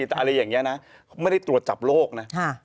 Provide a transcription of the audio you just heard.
อะไรอย่างนี้นะไม่ได้ตรวจจับโลกนะ